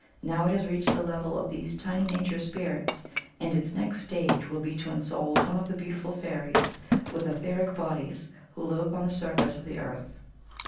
Now it 188 THE THEOSOPHIC VIEW OF FAIRIES has reached the level of these tiny nature spirits, and its next stage will be to ensoul some of the beautiful fairies with etheric bodies who live upon the surface of the earth.